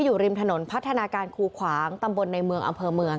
อยู่ริมถนนพัฒนาการคูขวางตำบลในเมืองอำเภอเมือง